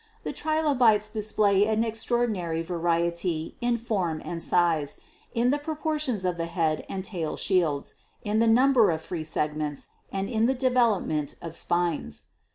The Trilobites display an extraordinary variety in form and size, in the proportions of the head and tail shields, in the number of free segments and in the development of spines.